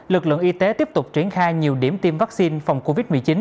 lực lượng y tế tiếp tục triển khai nhiều điểm tiêm vaccine phòng covid một mươi chín